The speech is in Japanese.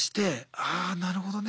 ああなるほどね。